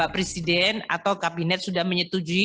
presiden atau kabinet sudah menyetujui